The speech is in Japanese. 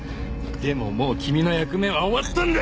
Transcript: でももう君の役目は終わったんだ！